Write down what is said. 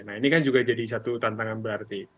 nah ini kan juga jadi satu tantangan berarti